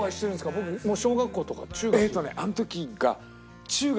僕もう小学校とか中学？